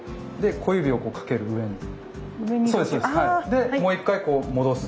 でもう一回こう戻す。